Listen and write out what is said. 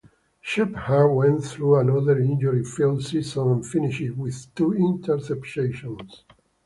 Sheppard went through another injury-filled season and finished with two interceptions.